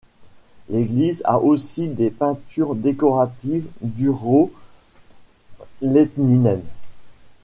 L'église a aussi des peintures décoratives d'Urho Lehtinen.